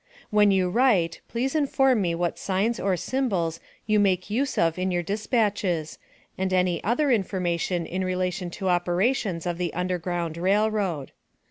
When you write, please inform me what signs or symbols you make use of in your despatches, and any other information in relation to operations of the Underground Rail Road.